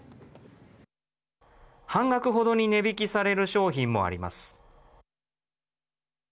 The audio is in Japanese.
半額程に値引きされる商品もあります。